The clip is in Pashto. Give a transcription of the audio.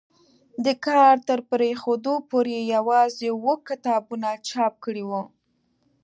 د کار تر پرېښودو پورې یوازې اووه کتابونه چاپ کړي وو.